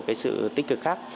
cái sự tích cực khác